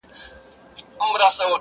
او تر سپين لاس يې يو تور ساعت راتاو دی؛